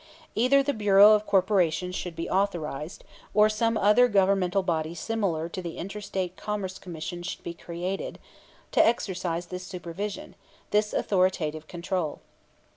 Either the Bureau of Corporations should be authorized, or some other governmental body similar to the Inter State Commerce Commission should be created, to exercise this supervision, this authoritative control.